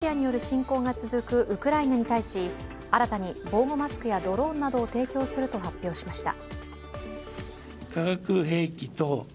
岸防衛大臣は、ロシアによる侵攻が続くウクライナに対し新たに防護マスクやドローンなどを提供すると発表しました。